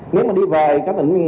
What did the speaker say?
nếu mà đi về các tỉnh miền trung